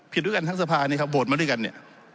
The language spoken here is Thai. ด้วยกันทั้งสภานี่ครับโหวตมาด้วยกันเนี่ย